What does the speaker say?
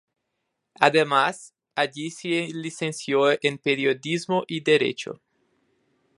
Además, allí se licenció en periodismo y derecho.